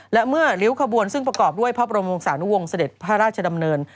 และเมื่อริ้วขบวนซึ่งประกอบด้วยพระบรมวงศานุวงศ์เสด็จพระราชดำเนิน